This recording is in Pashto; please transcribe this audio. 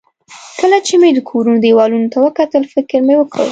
کله چې مې د کورونو دېوالونو ته وکتل، فکر مې وکړ.